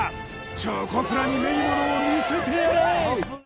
チョコプラに目にものを見せてやれ！